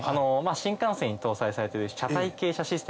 新幹線に搭載されてる。